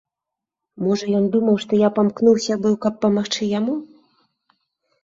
Можа, ён думаў, што я памкнуўся быў, каб памагчы яму.